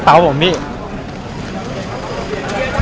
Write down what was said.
แม่งแม่งช่วยพี่โต๊ะ